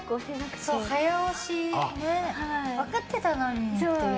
そう、早押し分かってたのにっていう。